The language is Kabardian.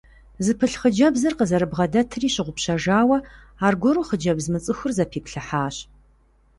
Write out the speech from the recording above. Зыпылъ хъыджэбзыр къызэрыбгъэдэтри щыгъупщэжауэ, аргуэру хъыджэбз мыцӏыхур зэпиплъыхьащ.